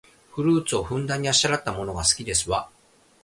フルーツをふんだんにあしらったものが好きですわ